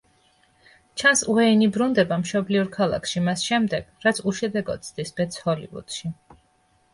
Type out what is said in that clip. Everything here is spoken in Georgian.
ჩანს უეინი ბრუნდება მშობლიურ ქალაქში მას შემდეგ, რაც უშედეგოდ ცდის ბედს ჰოლივუდში.